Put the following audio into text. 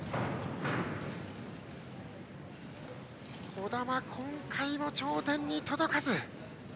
児玉、今回も頂点に届かず。